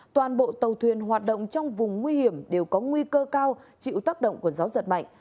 toàn bộ tàu thuyền hoạt động trong vùng nguy hiểm đều có nguy cơ cao chịu tác động của gió giật mạnh